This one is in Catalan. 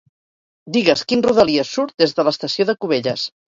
Digues quin Rodalies surt des de l'estació de Cubelles.